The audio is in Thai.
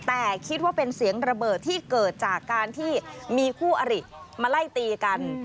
แต่คิดว่าเป็นเสียงระเบิดที่เกิดจากการที่มีคู่อริมาไล่ตีกัน